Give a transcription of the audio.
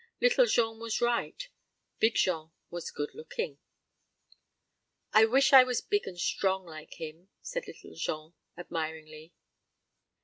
Little Jean was right Big Jean was good looking. "I wish I was big and strong like him," said Little Jean, admiringly....